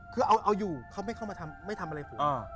คือเอาอยู่เขาไม่เข้ามาไม่ทำอะไรผม